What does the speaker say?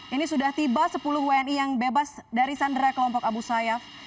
ini sudah tiba sepuluh wni yang bebas dari sandera kelompok abu sayyaf